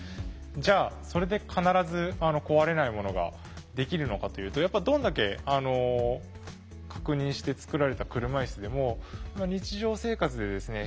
じゃあそれで必ず壊れないものができるのかというとやっぱどんだけ確認して作られた車いすでも日常生活でですね